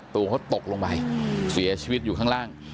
ตัวเขาตกลงไปเสียชีวิตอยู่ข้างล่าง